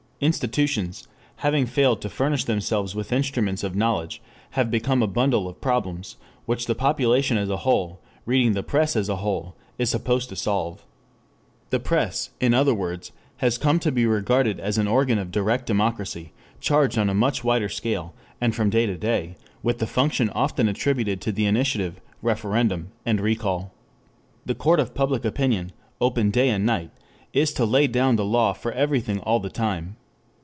Institutions, having failed to furnish themselves with instruments of knowledge, have become a bundle of "problems," which the population as a whole, reading the press as a whole, is supposed to solve. The press, in other words, has come to be regarded as an organ of direct democracy, charged on a much wider scale, and from day to day, with the function often attributed to the initiative, referendum, and recall. The Court of Public Opinion, open day and night, is to lay down the law for everything all the time.